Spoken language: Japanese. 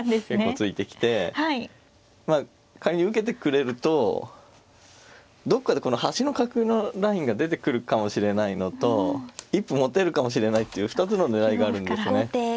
結構突いてきてまあ仮に受けてくれるとどっかでこの端の角のラインが出てくるかもしれないのと一歩持てるかもしれないっていう２つの狙いがあるんですね。